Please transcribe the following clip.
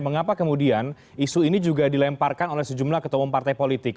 mengapa kemudian isu ini juga dilemparkan oleh sejumlah ketua umum partai politik